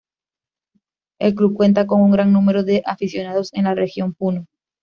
El club cuenta con un gran número de aficionados en la Región Puno.